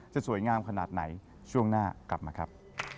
สวยงามขนาดไหนช่วงหน้ากลับมาครับ